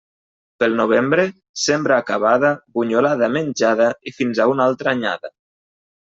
Pel novembre, sembra acabada, bunyolada menjada i fins a una altra anyada.